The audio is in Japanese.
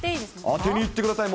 当てにいってください。